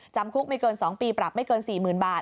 จำคุกไม่เกิน๒ปีปรับไม่เกิน๔๐๐๐บาท